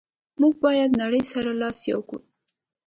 موږ باید نړی سره لاس یو کړو.